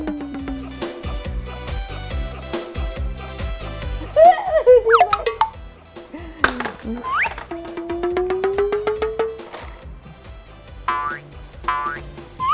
ดีไหม